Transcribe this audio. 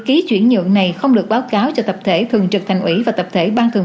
ký chuyển nhượng này không được báo cáo cho tập thể thường trực thành ủy và tập thể ban thường